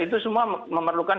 itu semua memerlukan